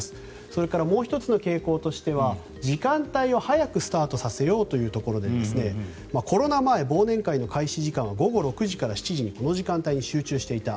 それからもう１つの傾向としては時間帯を早くスタートさせようというところでコロナ前、忘年会の開始時間は午後６時から７時この時間帯に集中していた。